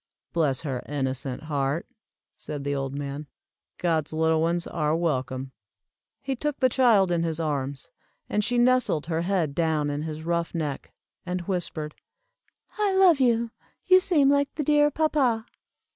"Bless her innocent heart," said the old man, "God's little ones are welcome." He took the child in his arms, and she nestled her head down in his rough neck, and whispered, "I love you, you seem like the dear papa."